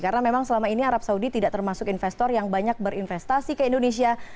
karena memang selama ini arab saudi tidak termasuk investor yang banyak berinvestasi ke indonesia